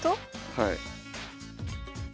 はい。